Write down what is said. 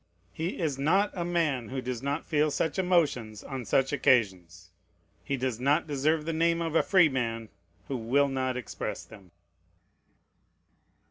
He is not a man who does not feel such emotions on such occasions. He does not deserve the name of a free man who will not express them.